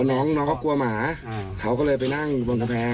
อ๋อน้องก็กลัวหมาเค้าก็เลยไปนั่งบนกำแพง